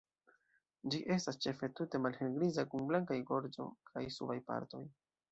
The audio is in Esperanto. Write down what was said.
Ĝi estas ĉefe tute malhelgriza kun blankaj gorĝo kaj subaj partoj.